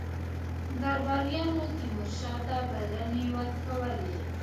درباریانو تیمورشاه ته بلنې ورکولې.